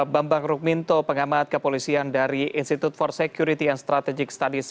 bambang rukminto pengamat kepolisian dari institute for security and strategic studies